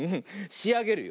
しあげるよ。